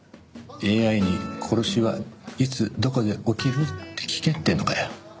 ＡＩに「殺しはいつどこで起きる？」って聞けっていうのかよ。